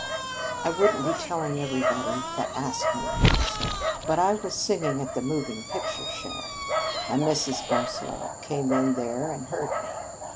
"I wouldn't be telling everybody that asked me," she said. "But I was singing at the moving picture show, and Mrs. Barsaloux came in there and heard me.